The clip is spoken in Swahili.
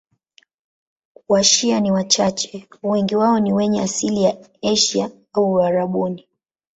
Washia ni wachache, wengi wao ni wenye asili ya Asia au Uarabuni.